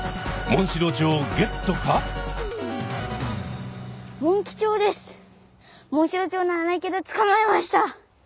モンシロチョウではないけどつかまえました！